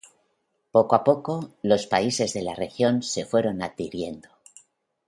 Poco a poco, los países de la región se fueron adhiriendo.